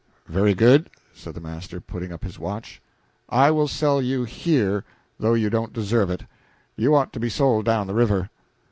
"Very good," said the master, putting up his watch, "I will sell you here though you don't deserve it. You ought to be sold down the river."